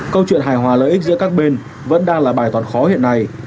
câu chuyện hài hòa lợi ích giữa các bên vẫn đang là bài toán khó hiện nay